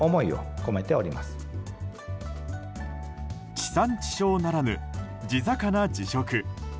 地産地消ならぬ、地魚地食。